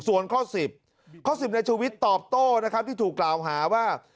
ส่วนข้อ๑๐ข้อ๑๐ในชวิตตอบโต้นะครับที่ถูกกล่าวหาว่า